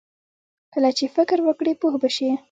کله چې فکر وکړې، پوه به شې!